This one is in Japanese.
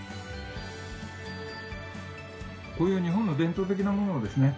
こういう日本の伝統的なものをですね